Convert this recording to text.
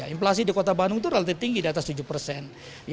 inflasi di kota bandung itu relatif tinggi di atas tujuh persen